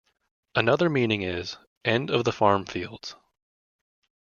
Another meaning is "End of the farmfields".